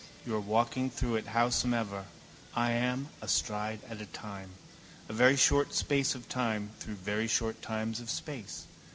You are walking through it howsomever. I am, a stride at a time. A very short space of time through very short times of space.